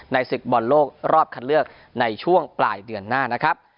ในศึกบอลโลกรอบคันเลือกในช่วงปลายเดือนหน้า